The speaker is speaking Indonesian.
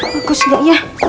bagus gak ya